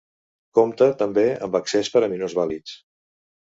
Compta, també, amb accés per a minusvàlids.